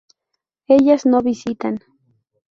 Ellas no visitan